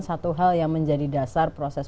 satu hal yang menjadi dasar proses